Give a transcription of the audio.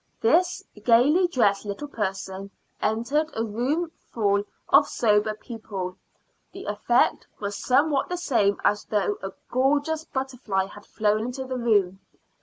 This gaily dressed little person entered a room full of sober people. The effect was somewhat the same as though a gorgeous butterfly had flown into the room.